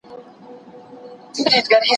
تاسو د علم په مرسته مخکي تلئ.